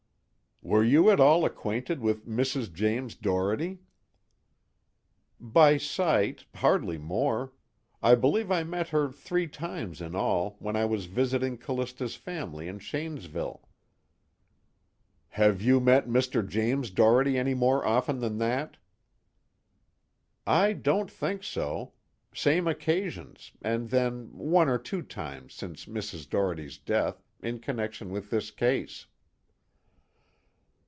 _ "Were you at all acquainted with Mrs. James Doherty?" "By sight, hardly more. I believe I met her three times in all, when I was visiting Callista's family in Shanesville." "Have you met Mr. James Doherty any more often than that?" "I don't think so. Same occasions, and then one or two times since Mrs. Doherty's death, in connection with this case."